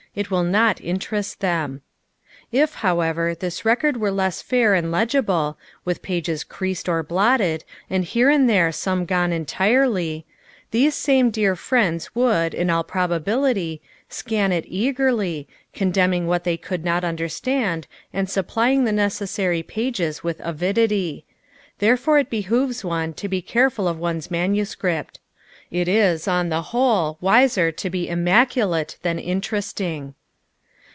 It will not interest them. If, however, this record were less fair and legible, with pages creased or blotted, and here and there one gone entirely, these same dear friends would, in all prob ability, scan it eagerly, condemning what they could not understand and supplying the necessary pages with avidity. Therefore it behooves one to be careful of one 's manuscript. It is, on the whole, wiser to be immaculate than interesting.